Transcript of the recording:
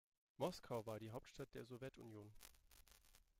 Moskau war die Hauptstadt der Sowjetunion.